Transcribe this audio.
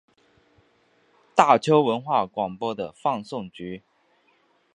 大邱文化广播的放送局。